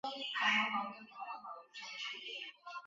交到杂志社的手稿都须通过客观的双盲审核才能得到发表。